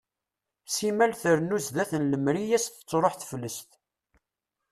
Simmal trennu sdat n lemri i as-tettruḥ teflest.